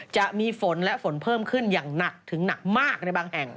จะมีฝนและฝนเพิ่มขึ้นอย่างหนักถึงหนักมากในบางแห่ง